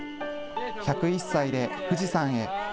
１０１歳で富士山へ。